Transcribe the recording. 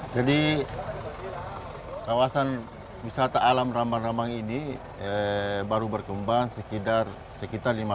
jadi kawasan wisata alam rambang rambang ini baru berkembang sekitar lima tahun yang lalu